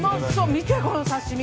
見てこの刺し身。